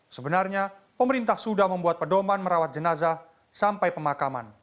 sebenarnya pemerintah sudah membuat pedoman merawat jenazah sampai pemakaman